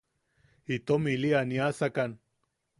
Itom ili aniasakan.